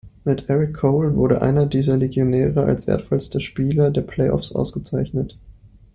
Mit Erik Cole wurde einer dieser Legionäre als wertvollster Spieler der Play-offs ausgezeichnet.